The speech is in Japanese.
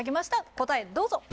答えどうぞ。